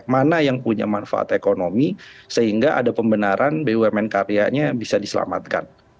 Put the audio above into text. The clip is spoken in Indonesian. mana yang punya manfaat ekonomi sehingga ada pembenaran bumn karyanya bisa diselamatkan